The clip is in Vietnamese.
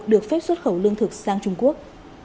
được phép xuất khẩu lương thực sang trung quốc